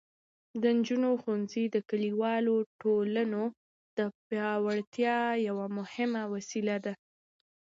د نجونو ښوونځي د کلیوالو ټولنو د پیاوړتیا یوه مهمه وسیله ده.